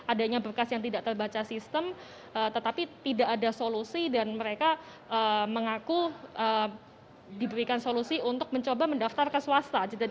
adanya berkas yang tidak terbaca sistem tetapi tidak ada solusi dan mereka mengaku diberikan solusi untuk mencoba mendaftar ke swasta